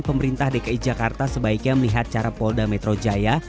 pemerintah dki jakarta sebaiknya melihat cara polda metro jaya